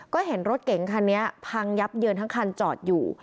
ก็เห็นรถเก๋งคันนี้พังยับเยินทั้งคันจอดอยู่